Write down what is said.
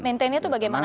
maintainnya itu bagaimana